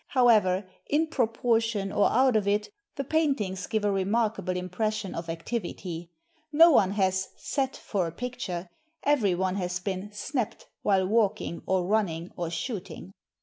However, in proportion or out of it, the paint ings give a remarkable impression of activity. No one has "sat for a picture," every one has been "snapped" while walking or running or shooting.